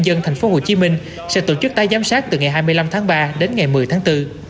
dân tp hcm sẽ tổ chức tái giám sát từ ngày hai mươi năm tháng ba đến ngày một mươi tháng bốn